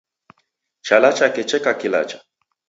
Chala chake cheka kilacha.